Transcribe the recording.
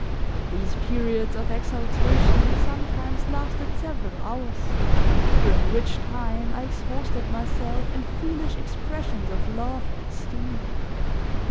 These periods of exaltation sometimes lasted several hours, during which time, I exhausted myself in foolish expressions of love and esteem.